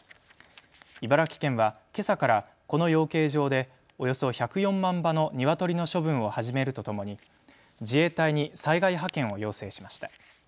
茨城県はけさからこの養鶏場でおよそ１０４万羽のニワトリの処分を始めるとともに自衛隊に災害派遣を要請しました。